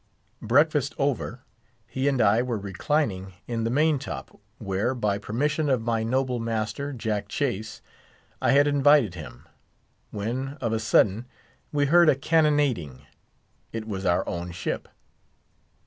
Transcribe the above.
Breakfast over, he and I were reclining in the main top—where, by permission of my noble master, Jack Chase, I had invited him—when, of a sudden, we heard a cannonading. It was our own ship.